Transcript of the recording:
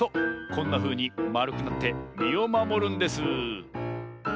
こんなふうにまるくなってみをまもるんです！